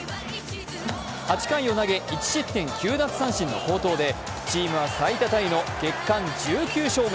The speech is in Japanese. ８回を投げ１失点９奪三振の好投でチームは最多タイの月間１８勝目。